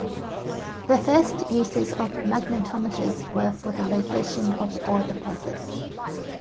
The first uses of magnetometers were for the location of ore deposits.